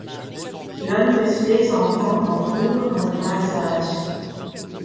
L'un de ses enfants mourut en bas âge.